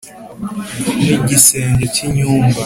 n’igisenge cy’inyumba